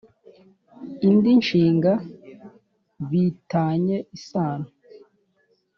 Indi nshinga bi tanye isano